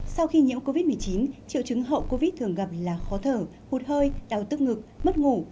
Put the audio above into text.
sau khi nhiễm covid một mươi chín triệu chứng hậu covid thường gặp là khó thở hụt hơi đau tức ngực mất ngủ